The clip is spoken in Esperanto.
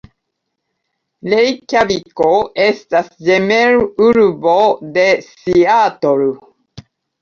Rejkjaviko estas ĝemelurbo de Seatlo.